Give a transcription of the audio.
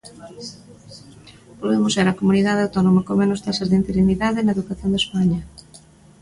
Volvemos ser a Comunidade Autónoma con menos taxas de interinidade na educación de España.